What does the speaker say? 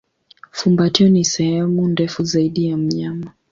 Fumbatio ni sehemu ndefu zaidi ya mnyama.